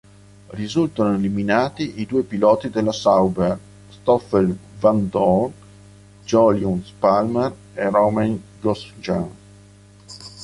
Risultano eliminati i due piloti della Sauber, Stoffel Vandoorne, Jolyon Palmer e Romain Grosjean.